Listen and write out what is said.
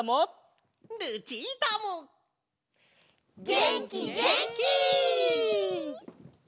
げんきげんき！